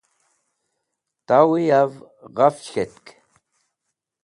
Tawẽ yav gach k̃hetk.